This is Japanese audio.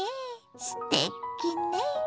すてきね！